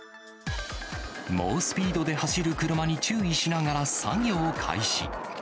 猛スピードで走る車に注意しながら作業を開始。